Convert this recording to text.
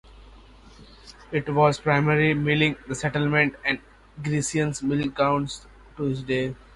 It was primarily a milling settlement, and Greenacres Mill continues to this day.